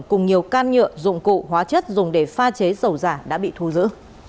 cùng nhiều can nhựa dụng cụ hóa chất dùng để pha chế dầu giả đã bị thu giữ